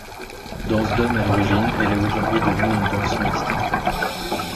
Danse d'homme à l'origine, elle est aujourd'hui devenue une danse mixte.